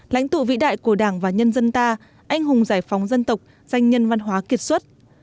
lãnh tụ vĩ đại của đảng và nhân dân ta anh hùng giải phóng dân tộc danh nhân văn hóa kiệt xuất